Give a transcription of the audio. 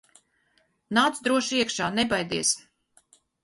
Nāc droši iekšā, nebaidies!